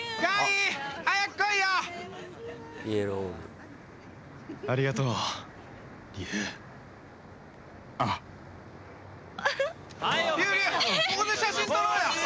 ここで写真撮ろうよ！